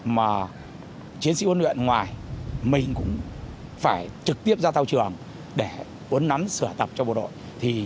mà chiến sĩ huấn luyện ngoài mình cũng phải trực tiếp ra tàu trường để uấn nắm sửa tập cho bộ đội